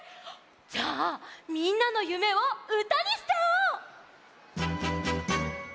じゃあみんなのゆめをうたにしちゃおう！